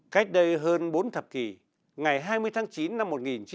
cách đây hơn bốn thập kỷ ngày hai mươi tháng chín năm một nghìn chín trăm bảy mươi năm